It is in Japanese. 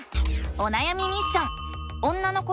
おなやみミッション！